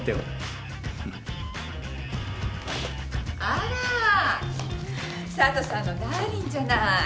あら佐都さんのダーリンじゃない。